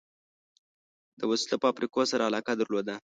د وسلو فابریکې سره علاقه درلوده.